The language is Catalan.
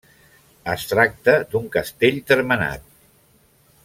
Es tracta d'un castell termenat.